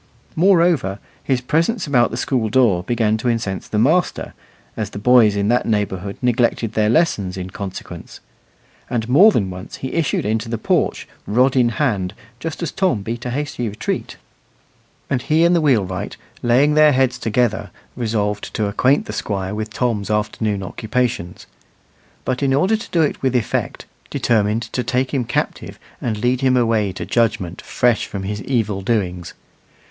Moreover, his presence about the school door began to incense the master, as the boys in that neighbourhood neglected their lessons in consequence; and more than once he issued into the porch, rod in hand, just as Tom beat a hasty retreat. And he and the wheelwright, laying their heads together, resolved to acquaint the Squire with Tom's afternoon occupations; but in order to do it with effect, determined to take him captive and lead him away to judgment fresh from his evil doings.